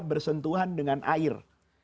bersentuhan dengan air